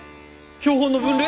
標本の分類？